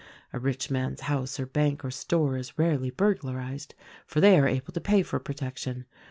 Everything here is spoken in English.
A rich man's house or bank or store is rarely burglarized, for they are able to pay for protection.